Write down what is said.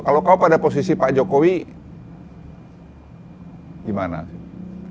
kalau kau pada posisi pak jokowi gimana sih